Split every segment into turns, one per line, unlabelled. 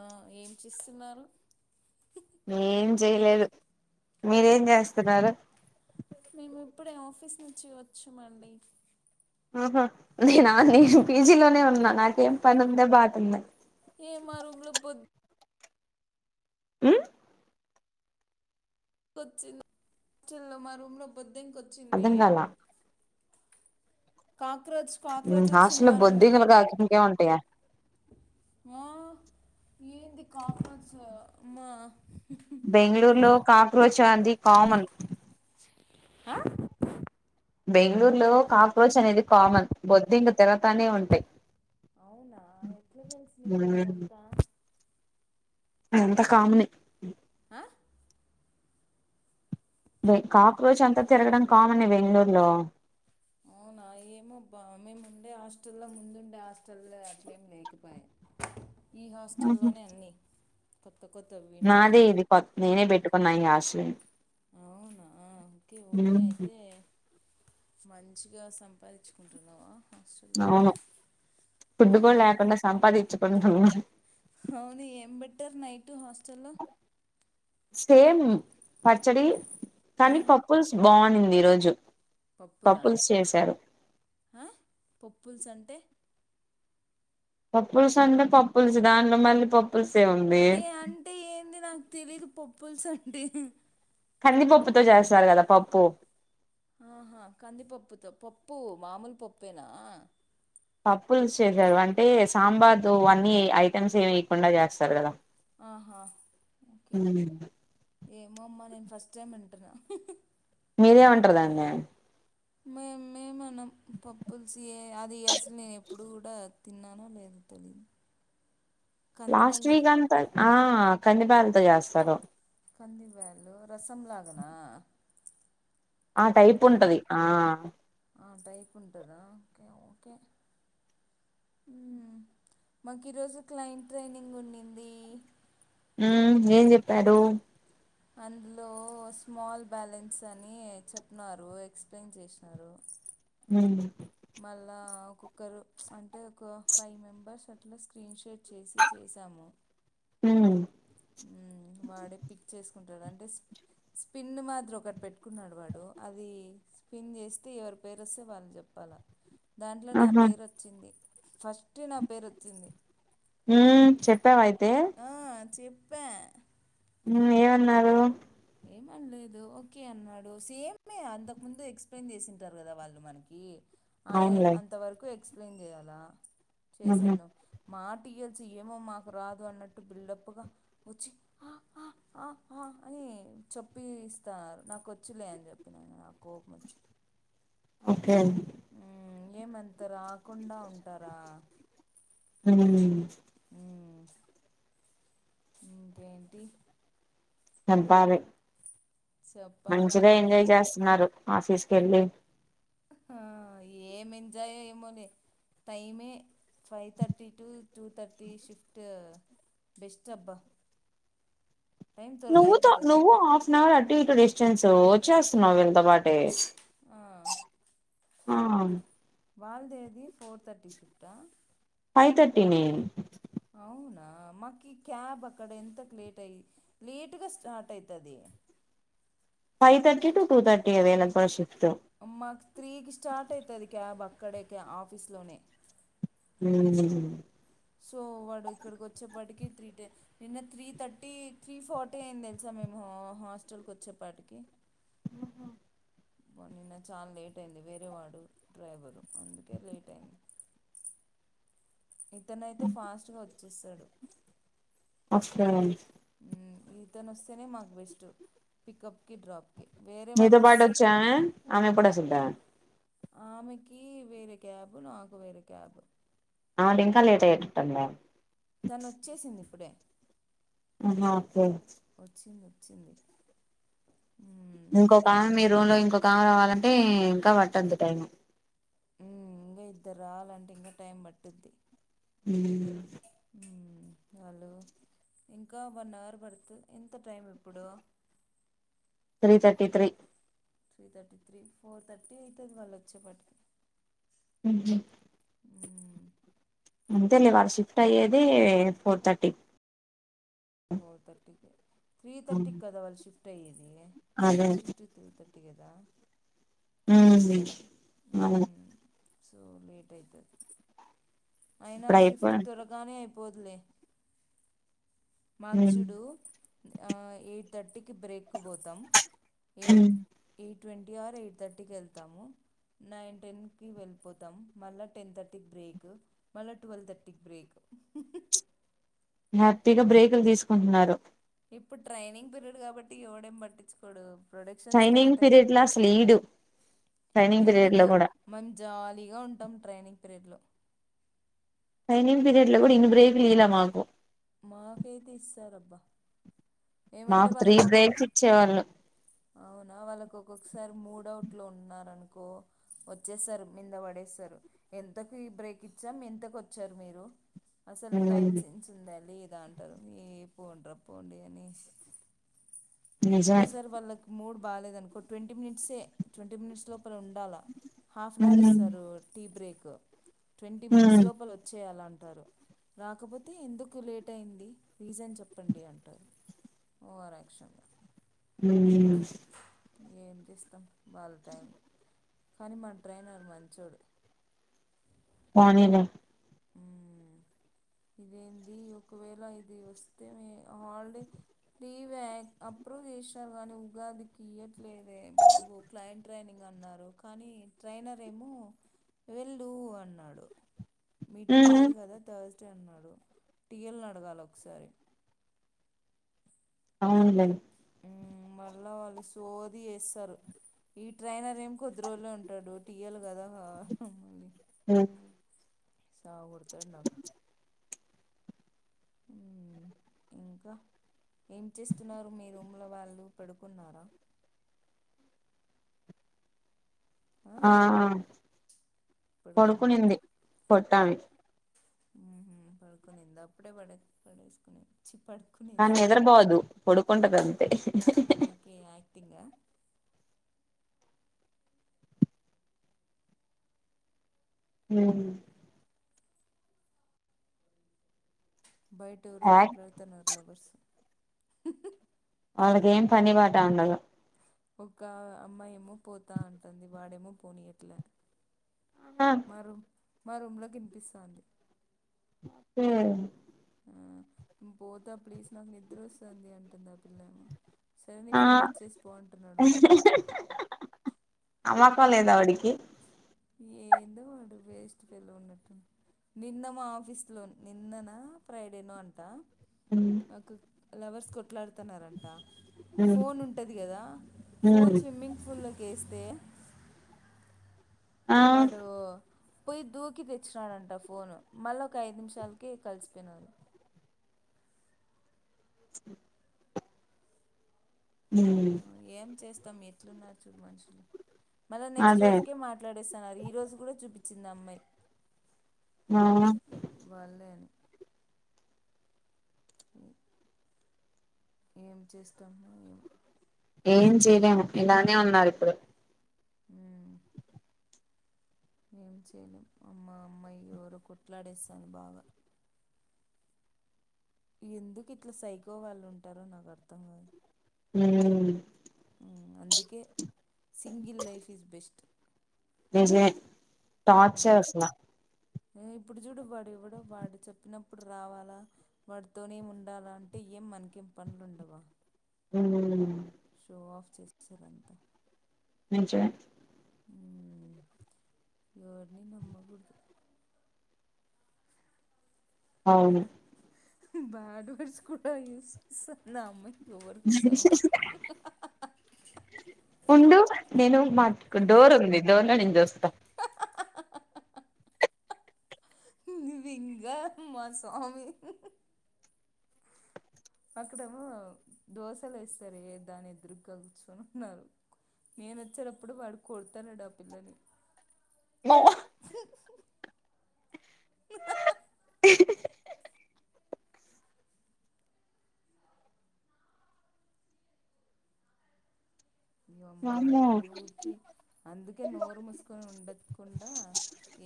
ఆ ఏం చేస్తున్నారు
ఏం చేయలేదు మీరేం చేస్తున్నారు
మేము ఇప్పుడే ఆఫీస్ నుంచి వచ్చామండి
ఆహ నేనా నేను పీజీలోనే ఉన్నా నాకేం పనుందా బాటుందా
ఏ మా రూమ్ లో బొద్
ఉ
వచ్చింది చింది మా రూమ్ లో బొద్దింకొచ్చింది
అర్థం కాలా
కా
ఉ హాస్టల్ లో బొద్దింకలు కాకపోతే ఇంకేం ఉంటయా
ఆ ఏంది కాక్రోచ్ అమ్మా
బెంగళూరు లో కాక్రోచ్ అది కామన్
ఆ
బెంగళూరులో కాక్రోచ్ అనేది కామన్ బొద్దింక తిరతనే ఉంటాయి
అవునా ఎట్లా తెలుసు నీగ్ అదంతా
అదంత కామనే
ఆ
కాక్రోచ్ అంతా తిరగడం కామన్ బెంగళూరులో
అవునా ఏమో మేము ఉండే హాస్టల్లో ముందుండే హాస్టల్లో అట్లేమి లేకపోయా ఈ హాస్టల్లోనే అన్నీ కొత్త కొత్తవి వింటున్నా
నాదే ఇది కొ నేనే పెట్టుకున్నా ఈ ఆశలుని
అవునా కే ఓకే అయితే మంచిగా సంపాదించుకుంటున్నావా హాస్టల్లో
అవును
ఉండి
ఫుడ్ కూడా
హ్మ్.
లేకుండా సంపాదించుకుంటున్న
అవును ఏం పెట్టారు నైట్ హాస్టల్ లో
సేమ్ పచ్చడి కానీ పప్పుల్స్ బాగునింది ఈరోజు
పప్పుల ఆ పప్పుల్స్ అంటే
పప్పులుస్ అంటే పప్పులుసు దాంట్లో మళ్ళీ పప్పులుస్
ఏ అంటే ఏంది నాకు తెలిదు పప్పుల్స్ అంటే
కందిపప్పుతో చేస్తారు కదా పప్పు
ఆహా కందిపప్పుతో పప్పు మామూలు పప్పేనా
పప్పులుస్ చేసారు అంటే సాంబార్ అన్నీ ఐటెమ్స్ ఏమి ఇవకుండా చేస్తారు కదా
ఆహా ఓకే ఏమో అమ్మా నేను ఫస్ట్ టైం వింటున్నాను
మీరేమంటారుదా అండిే
మేముేమన్నా పప్పుల్స్ అది అసలు నేను ఎప్పుడు కూడా తిన్నాన లేదు తెలిదు
లాస్ట్ వీక్ అంతా ఆ కందిపాలతో చేస్తారు
కంది బేలుు రసం లాగనా
ఆ టైప్ ఉంటది ఆ
టైప్ ఉంటుందా ఓకే ఓకే మాకు ఈరోజు క్లయింట్ ట్రైనింగ్ ఉండింది
ఉ ఏం చెప్పారు
అందులో స్మాల్ బ్యాలెన్స్ అని చెప్న్నారు ఎక్స్ప్లెయిన్ చేసినారు
హ
మళ్ళా ఒొక్కరు అంటే ఒక ఫైవ్ మెంబర్స్ అట్లా స్క్రీన్ షాట్ చేశాము
మ్మ్
వాడే పిక్ చేసుకుంటడు అంటే స్పిన్ మాత్ర ఒకటి పెట్టుకున్నాడు వాడు అది స్పిన్ చేస్తే ఎవరి పేరు వస్తే వాళ్ళు చెప్ చెప్పాల దాంట్లో నా
ఆహా
పేరు వచ్చింది ఫస్ట్ నా పేరు వచ్చింది
హ చెప్పావయితే
చెప్ప
ఏమన్నారు
ఏమనలేదు ఓకే అన్నాడు సేమ్ే అంతకుముందు ఎక్స్ప్లెయిన్ చేసింటారు కదా వాళ్ళు మనకి అదే
అవునులే
అంత వరకు ఎక్స్ప్లెయిన్ చేయాలా
ఆహా
చేసాను మాటీ్యల్సి ఏమో మాకు రాదు అన్నట్టు బిల్డప్గా వచ్చి అని చెప్పి ఇస్తన్నారు నాకు వచ్చిలే అని చెప్పినను నా కోపం వచ్చి
ఓకే
ఏమంత రాకుండా ఉంటారా
ఉ
అ ఇంకేంటి
చంపాలి
చెప్పాలా
మంచిగా ఎంజాయ్
మీరే.
చేస్తున్నారు ఆఫీస్ స
ఆ ఏం ఎంజాయ్ అయ్య మోలే టైమే five thirty to two thirty shift బెస్తబ్బ
నువ్వుతో నువ్వు హాఫ్ అన్ అవర్ అటు ఇటు డిస్టెన్స్ వచ్చేస్తున్నావు్ వీళ్ళతో పాటే
ఆ
ఆ
వాళ్దేదది ఫోర్ తర్టీ షిఫా
ఫైవ్ తర్టీ నే
అవునా మాకు ఈ క్యాబ్ అక్కడ ఎంతకు లేట్ అయ లేటుగా స్టార్ట్ అవుతుంది
ఫైవ్ర్టీ ూ టూర్టీ అేకు కూడా షిఫట్
మాకు త్రీకి స్టార్ట్ అవుతుంది క్యాబ్ అక్కడే ఆఫీస్లోనే
హ
సో వాడు ఇక్కడికి వచ్చేప్పటికి త్రీ టే నిన్న త్రీ థర్టీ త్రీ ఫార్టీ అయింది తెలుసా మేము హాస్టల్కి వచ్చేప్పటికి పో నిన్న చాలా లేట్ అయింది వేరేవాడు డ్రైవరు అందుకే లేట్ అయింది ఇతనైతే ఫాస్ట్గా వచ్చేస్తాడు
అచ్చ
మ్ ఈతను వస్తేనే మాకు బెస్ట్ పికప్కి డ్రాప్కి వేరే
మీతో
వాళ్ళు వస్తే
పాటొచ్చే ఆమె ఆమే ఎప్పుడు వచిదో
ఆమెకి వేరే క్యాబ్ నాకు వేరే క్యాబ్
అడి ఇంకా లేట్ అయ్యేటట్టుందే
తను వచ్చేసింది ఇప్పుడే
అ హా ఒకే
వచ్చింది వచ్చింది ఉమ్,
ఇంకోకామె
లేట్
మీ రూమ్ లో ఇంకోకామె రావాలంటే ఇంకా పట్టది టైం
మ్ ఇంకా ఇద్దరు రావాలంటే ఇంకా టైం పట్టిద్ది
మ్
మ్ వాళ్ళు ఇంకా వన్ అవర్ పడుత ఎంత టైం ఎప్పుడు
three thirty three
three thirty three four thirty అయితది వాళ్ళు వచ్చేపాటికి
ఉమ్ హు అంతే లే వాళ్ళ షిఫ్ట్ అయ్యేది four thirty
four thirty three థర్టీకి కదా వాళ్ళు షిఫ్ట్ అయ్యేది సిక్స్
అదే
థర్టీ టు త్రీ థర్టీ కదా
మ్ అవును
మ్మ్. సో లేట్ అయితది అయినా
ఇప్పుడు
షిఫ్ట్
అయిపోయి
త్వరగానే అయ్ పోదులే మాగ్
ఉమ్
చూడు ఆ ఎయిట్ తర్టీ కి బ్రేక్ కు పోతాం ఎ ఎయిట్ ట్వంటీ ఆర్ ఎయిట్ థర్టీకి వెళ్తాము నైన్ టెన్కి వెళ్ళిపోతాం మళ్ళా టెన్ థర్టీకి బ్రేక్ మళ్ళా ట్వెల్వ్ థర్టీకి బ్రేక్
హ్యాపీగా బ్రేకులు తీసుకుంటున్నారు
ఇప్పుడు ట్రైనింగ్ పీరియడ్ కాబట్టి ఎవడేం పట్టించుకోడు ప్రొడక్షన్
ట్రైనింగ్
స్టార్ట్ అయింది
పీరియడ్ లో అసలు ఈడు ట్రైనింగ్ పీరియడ్ లో
ఎందుకు
కూడా
మం జాలీగా ఉంటాం ట్రైనింగ్ పీరియడ్లో
ట్రైనింగ్ పీరియడ్ లో కూడా ఇన్ని బ్రేకులు ఇయ్యాల మాకు
మాకైతే ఇస్తారబ్బా ఏమంటే
మాకు త్రీ
వాళ్ళకి ఒక్కొక్
బ్రేక్స్ ఇచ్చేవాళ్ళు
అవునా వాళ్ళకి ఒక్కొక్ స్ సార్ మూడు అవుట్ లో ఉన్నరనుకో వచ్చేశారు మీంద పడేస్తారు ఎంతకి బ్రేక్ కిచ్చాం ఎంతకొచ్చారు మీరు అసలు టైం
ఉమ్
సెన్స్ ఉంద లేదా అంటారు ఏ పోండ్ర పోండి అని
నిజమే
ఒక్కోసారి వాళ్ళకి మూడ్ బాలేేదనుకో ట్వంటీ మినిట్సే ట్వంటీ మినిట్స్ లో పల ఉండాలా హాఫ్ అన్ అవర్
ఉమ్
ఇస్తారు టీ బ్రేక్ ట్వంటీ మినిట్స్
ఉమ్
లోపల వచ్చేయాల అంటారు రాకపోతే ఎందుకు లేట్ అయింది రీజన్ చెప్పండి అంటారు ఓవర్ యాక్షన్
ఊ మ్
ఏం చేస్తాం వాళ్ళ టైమ్ కానీ మా ట్రైనర్ మంచోడు
పోనీలే
మ్ ఇదే ది ఒకవేళ ఇది వస్తే హల్డే లీవ్ అప్రూవ్ చేశారు కానీ ఉగాది కి ఇయట్లేదే బాబు క్లయింట్ ట్రైనింగ్ అన్నారు కానీ ట్రైనర్ ఏమో వెళ్ళు అన్నాడు మీటింగ్
ఉమ్
లేదు కదా తస్ అన్నాడు టీఎల్ ని అడగాలి ఒకసారి
అవునులే
ఉమ్ మళ్ళా వాళ్ళు సోది చేస్తరు ఈ ట్రైనర్ ఏమో కొద్ది రోజులే ఉంటడు టీ ఎల్ కదా మళ్ళీ
ఆ
సావకొడతడు నాకు ఉ ఇంకా ఏం చేస్తున్నరు మీ రూమ్లో వాళ్ళు పడుకున్నారా
ఆ
పడుకున్నా
పడుకునింది
పడు
పొట్టామే
పడుకునిందా అప్పుడే పడే పడేసుకునే
ఆమె నిదురపోదు పడుకుంటదంతే
టింగా
హ
బయటెవరో కొట్లాడుతన్నారు లవర్స్
వాళ్లకేం పని పాటా ఉండదు
ఒక అమ్మాయేమో పోతా అంటుంది వాడేమో పోనీయట్ల
ఆ
మా రూమ్ మా రూమ్ లో కినిపిస్తోంది
హ
ఆ పోతా ప్లీజ్ నాకు నిద్ర వస్తుంది అంటుంది ఆ పిల్లమో సరే నీ
ఆ
ఫోన్ ఇచ్చేసి పో అంటున్నడు వాడు
నమ్మకం లేదా వాడికి
ఏందో వాడు వేస్ట్ ఫెల్లో ఉన్నట్టున్నడు నిన్న మా ఆఫీస్ లో నిన్ననా ఫ్రైడేనో అంట
అ
ఒక లవర్స్ కొట్లాడు తన్నరంట ఫోన్ ఉంటది కదా ఫోన్ స్విమ్మింగ్ పూల్ లోకి వేస్తా తే
ఆ
వాడు పోయి దూకి తెచ్చినాడంట ఫోను మళ్ళీ ఒక ఐదు నిమిషాలకే కలిసిపోయినారు ఏం చేస్తాం ఎట్లున్నారు చూడు మనుషులు మళ్ళా నెక్స్ట్
అదే
రోజుకే మాట్లాడేస్తున్నారు ఈ రోజు కూడా చూపించింది అమ్మాయి
ఆ
వా వాళ్లే అని ఏం చేస్తాము ఏం
ఏం చేయలేము ఇలానే ఉన్నారు ఇప్పుడు
ఉ ఏం చేయలేం అమ్మ అమ్మాయి ఎవరో కొట్లాడేస్తంది బాగా ఎందుకు ఇట్లా సైకో గాళ్ళు ఉంటారో నాకు అర్థం కాదు
ఉ
అందుకే సింగిల్ లైఫ్ ఈస్ బెస్ట్
నిజమే
ఉమ్,
టార్చర్ అసలా
ఇప్పుడు చూడు వాడు ఎవడో వాడు చెప్పినప్పుడు రావాలా వాడితోనే ఉండాల అంటే ఏం మనకేం పనులుండవా
ఉ
షో ఆఫ్ చేశారంతా
నిజమే
ఉమ్ ఎవరిని నమ్మకూడదు
అవును
బ్యాడ్ వర్డ్స్ కూడా యూస్ చేస్తాంది ఆ అమ్మాయి ఎవరు స్వామి
ఉండు నేను మాక్ డోర్ ఉంది డోర్ లో నిన్ చూస్తా
నివింగా మా స్వామి అక్కడేమో దోశలు ఎస్తారే దాన్ని ఎదురుగా కూర్చుని ఉన్నారు నేను వచ్చేటప్పుడు వాడు కోడతున్నాడు ఆ పిల్లని
హలో
ఇయమ్మ
వామ్మో
ఊరికే అందుకే నోరు ముూసుకొని ఉండకుండా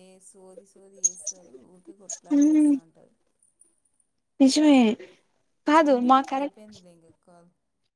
ఏ సోది సోది చేసారు ఊరికే కొట్లాడి సస్తా అంటారు
నిజమే కాదు
ఉండు
మా కరెక్ట్
అయిపోయింది లే ఇంకా కాల్